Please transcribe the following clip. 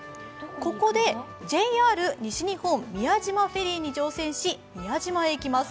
ここでＪＲ西日本、宮島フェリーに乗船し宮島へ行きます。